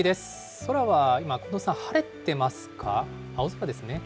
空は今、近藤さん、晴れてますか、青空ですね。